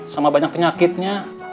sama banyak penyakitnya